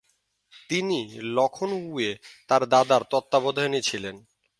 তিনি লখনউয়ে তার দাদার তত্ত্বাবধানে ছিলেন।